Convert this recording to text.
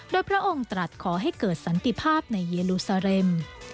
โดยพระองค์ตรัสขอให้เกิดสันติภาพในเยลูซาเรม